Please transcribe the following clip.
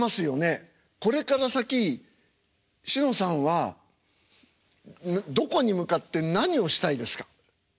これから先しのさんはどこに向かって何をしたいですか？